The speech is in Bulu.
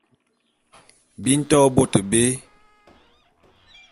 Bi nto bôt bé.